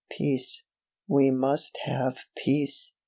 Peace; we must have peace!"